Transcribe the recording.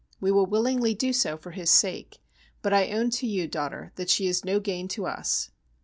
We will willingly do so for his sake, but I own to you, daughter, that she is no gain to us.